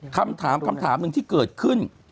คำถามนึงที่เกิดขึ้น